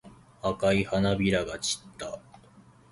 赤い花びらが散った。